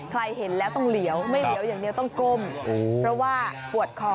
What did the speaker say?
เห็นแล้วต้องเหลียวไม่เหลียวอย่างเดียวต้องก้มเพราะว่าปวดคอ